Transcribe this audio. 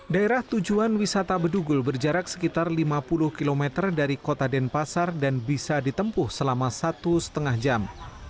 daerah tujuan wisata bedugul berjarak sekitar lima puluh km dari kota denpasar dan bisa ditempuh selama satu lima jam